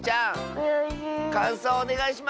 かんそうをおねがいします！